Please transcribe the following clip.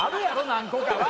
何個かは。